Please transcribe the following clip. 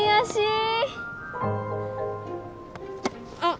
あっ！